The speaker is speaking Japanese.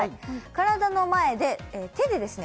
体の前で手でですね